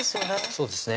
そうですね